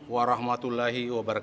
wa rahmatullahi wa barakatuh